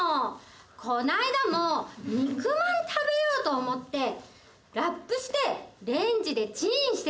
この間も肉まん食べようと思ってラップしてレンジでチンしてたのね。